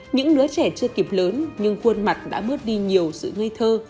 những đứa trẻ chưa kịp lớn nhưng khuôn mặt đã bớt đi nhiều sự ngây thơ